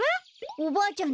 おばあちゃん